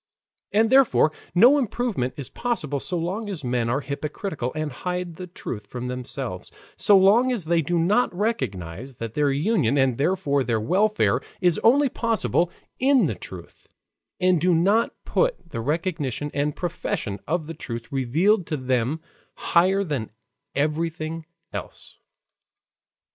And therefore no improvement is possible so long as men are hypocritical and hide the truth from themselves, so long as they do not recognize that their union and therefore their welfare is only possible in the truth, and do not put the recognition and profession of the truth revealed to them higher than everything else.